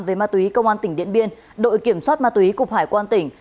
về ma túy công an tỉnh điện biên đội kiểm soát ma túy cục hải quan tỉnh